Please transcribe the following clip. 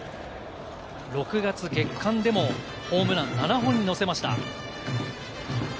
６月の月間でもホームラン７本にのせました。